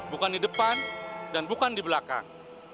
bukan di depan dan bukan di belakang